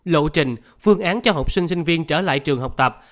lộ trình phương án cho học sinh sinh viên trở lại trường học tập